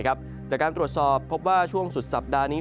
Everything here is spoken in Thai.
จากการตรวจสอบพบว่าช่วงสุดสัปดาห์นี้